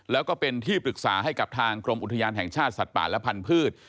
แล้วก็เป็นที่ปรึกษาให้กับทางกรมอุทยานแห่งชาติสัตว์ป่าและพันธุ์